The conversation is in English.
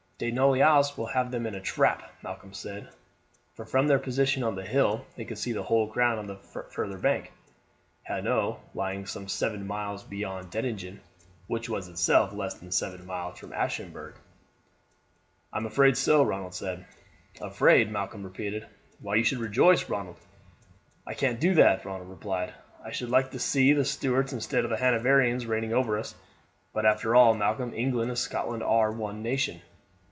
"De Noailles will have them in a trap," Malcolm said, for from their position on the hill they could see the whole ground on the further bank, Hanau lying some seven miles beyond Dettingen, which was itself less than seven miles from Aschaffenburg. "I am afraid so," Ronald said. "Afraid!" Malcolm repeated. "Why, you should rejoice, Ronald." "I can't do that," Ronald replied. "I should like to see the Stuarts instead of the Hanoverians reigning over us; but after all, Malcolm, England and Scotland are one nation."